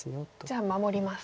じゃあ守ります。